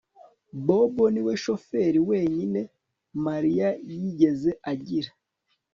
Bobo niwe shoferi wenyine Mariya yigeze agira